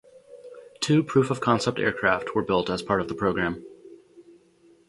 Two proof-of-concept aircraft were built as part of the program.